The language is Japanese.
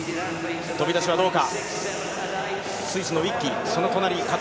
飛び出しはどうか。